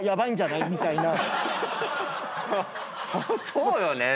そうよね。